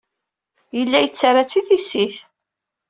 Yella yettarra-tt i tissit.